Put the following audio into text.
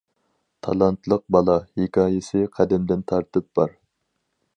« تالانتلىق بالا» ھېكايىسى قەدىمدىن تارتىپ بار.